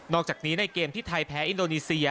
อกจากนี้ในเกมที่ไทยแพ้อินโดนีเซีย